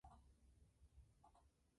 Murió en Madrid sin apenas recursos.